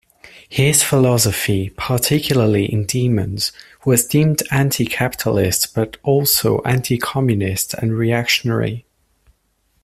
His philosophy, particularly in "Demons", was deemed anti-capitalist but also anti-Communist and reactionary.